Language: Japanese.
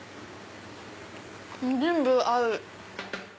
全部合う！